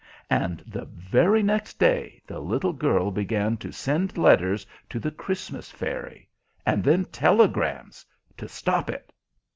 And the very next day the little girl began to send letters to the Christmas Fairy, and then telegrams, to stop it.